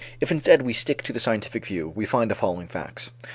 If, instead, we stick to the scientific view, we find the following facts.